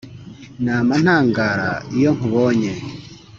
Nama ntangara, iyo nkubonye